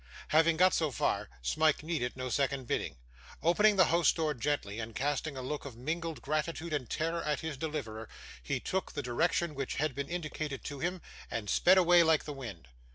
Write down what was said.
Having got so far, Smike needed no second bidding. Opening the house door gently, and casting a look of mingled gratitude and terror at his deliverer, he took the direction which had been indicated to him, and sped away like the wind.